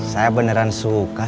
saya beneran suka